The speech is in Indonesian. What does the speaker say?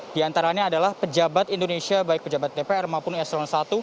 di antaranya adalah pejabat indonesia baik pejabat dpr maupun eselon i